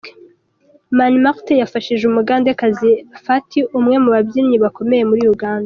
Mani Martin yafashishije Umugandekazi Fati umwe mu babyinnyi bakomeye muri Uganda.